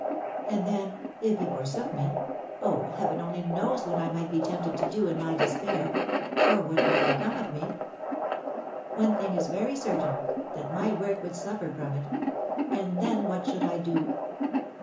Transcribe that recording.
And then, if he forsook me, oh, Heaven only knows what I might be tempted to do in my despair, or what might become of me. One thing is very certain, that my work would suffer for it; and then what should I do?